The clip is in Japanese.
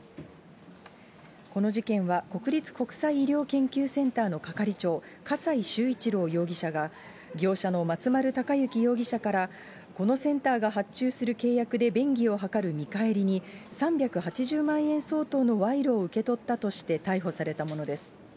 この事件は、国立国際医療研究センターの係長、笠井崇一郎容疑者が、業者の松丸隆行容疑者から、このセンターが発注する契約で便宜を図る見返りに、３８０万円相当の賄賂を受け取ったとして、逮捕されたものです。